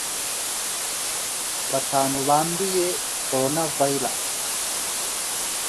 batanu banduye Corona virus